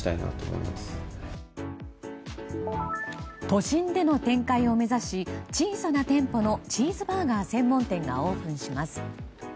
都心での展開を目指し小さな店舗のチーズバーガー専門店がオープンします。